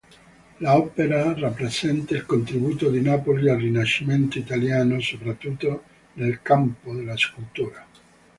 L'opera rappresenta il contributo di Napoli al Rinascimento italiano, soprattutto nel campo della scultura.